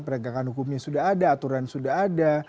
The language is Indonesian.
penegakan hukumnya sudah ada aturan sudah ada